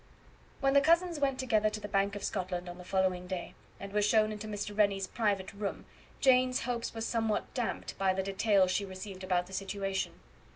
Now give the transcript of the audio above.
When the cousins went together to the Bank of Scotland on the following day, and were shown into Mr. Rennie's private room, Jane's hopes were somewhat damped by the details she received about the situation.